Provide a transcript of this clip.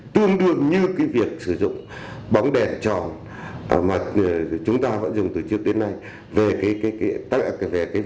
không được như việc sử dụng bóng đèn tròn mà chúng ta vẫn dùng từ trước đến nay về việc gia quả của cây thanh lòng